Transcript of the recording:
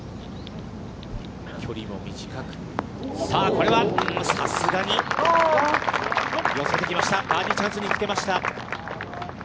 距離も短く、さあ、これは、さすがに寄せてきました、バーディーチャンスにつけました。